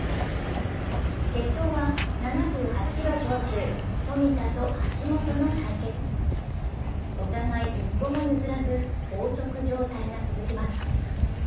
決勝は７８ｋｇ超級、冨田と橋本の対決お互い一歩も譲らず硬直状態が続きます。